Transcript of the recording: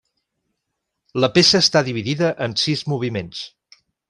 La peça està dividida en sis moviments.